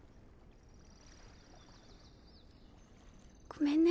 ごめんね。